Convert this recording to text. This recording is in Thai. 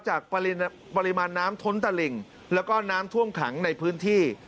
จากปริมาณน้ำท้นตะหลิ่งแล้วก็น้ำท่วมขังในพื้นที่